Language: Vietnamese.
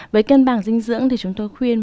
với cân bằng dinh dưỡng thì chúng tôi khuyên